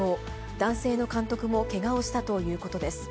男性の監督もけがをしたということです。